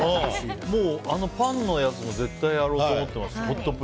あのパンのやつ絶対やろうと思ってますよ。